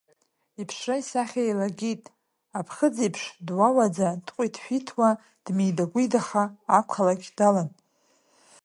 Иԥшра-исахьа еилагеит, аԥхыӡ еиԥш дуауаӡа, дҟәиҭ-шәиҭуа, дмидагәидаха ақалақь далан.